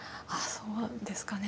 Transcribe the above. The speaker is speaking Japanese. そうですかね。